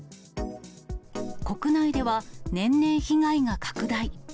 国内では年々被害が拡大。